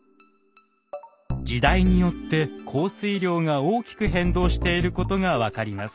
時代によって降水量が大きく変動していることが分かります。